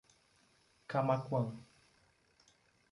Camaquã